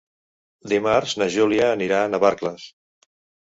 Dimarts na Júlia anirà a Navarcles.